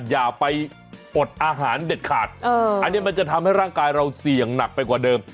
อย่าไปอดอาหารเด็ดขาดอันนี้มันจะทำให้ร่างกายเราเสี่ยงหนักไปกว่าเดิม